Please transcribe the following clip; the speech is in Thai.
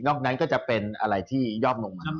นั้นก็จะเป็นอะไรที่ย่อมลงมา